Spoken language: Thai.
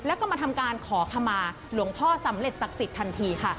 แล้วก็มาทำการขอขมาหลวงพ่อสำเร็จศักดิ์สิทธิทันทีค่ะ